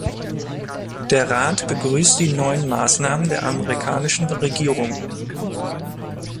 Der Rat begrüßt die neuen Maßnahmen der amerikanischen Regierung.